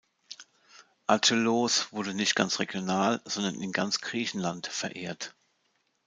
Acheloos wurde nicht nur regional, sondern in ganz Griechenland verehrt.